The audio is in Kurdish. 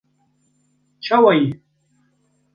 Çawa yî?